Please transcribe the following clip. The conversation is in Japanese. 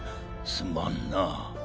すまんな。